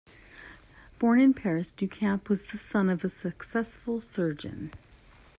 Born in Paris, Du Camp was the son of a successful surgeon.